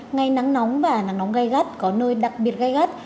ngày nắng nóng và nắng nóng gây gắt có nơi đặc biệt gây gắt